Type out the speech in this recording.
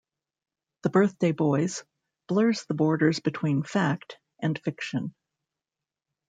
"The Birthday Boys" blurs the borders between "fact" and "fiction".